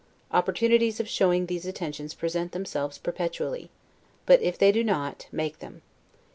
Opportunities of showing these attentions present themselves perpetually; but if they do not, make them.